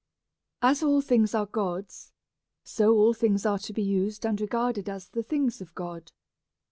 As all things are God's, so all things are to be used and regarded as the things of God.